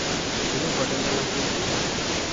Tolong padamkan lampu itu.